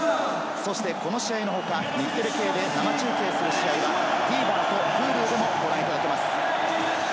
そしてこの試合の他に日テレ系で生中継する試合はＴＶｅｒとＨｕｌｕでもご覧いただけます。